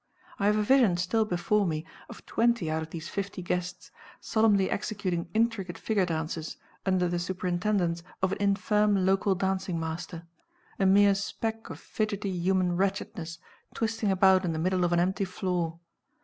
I have a vision still before me, of twenty out of these fifty guests, solemnly executing intricate figure dances, under the superintendence of an infirm local dancing master a mere speck of fidgety human wretchedness twisting about in the middle of an empty floor.